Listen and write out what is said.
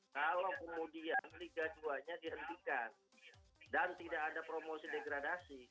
kalau kemudian liga dua nya dihentikan dan tidak ada promosi degradasi